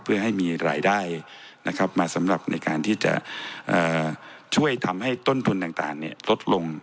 เพื่อให้มีรายได้มาสำหรับในการที่จะช่วยทำให้ต้นทุนต่างลดลง